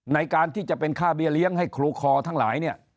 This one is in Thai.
ในการที่จะเป็นค่าเบี้ยเลี้ยงให้ครูคอทั้งหลายเนี่ย